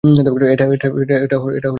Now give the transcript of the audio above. এটা hall of justice.